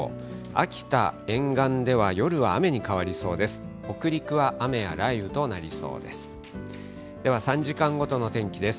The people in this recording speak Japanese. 秋田沿岸では、夜は雨に変わりそうです。